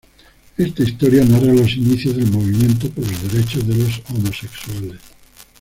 Esta historia narra los inicios del movimiento por los derechos de los homosexuales.